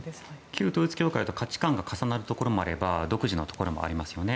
旧統一教会と価値観が重なるところもあれば独自のところもありますよね。